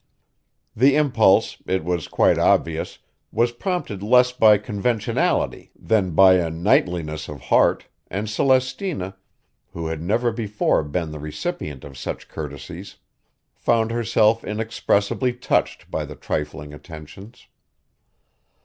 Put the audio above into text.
The impulse, it was quite obvious, was prompted less by conventionality than by a knightliness of heart, and Celestina, who had never before been the recipient of such courtesies, found herself inexpressibly touched by the trifling attentions.